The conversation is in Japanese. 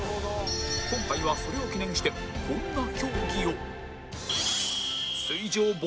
今回はそれを記念してこんな競技を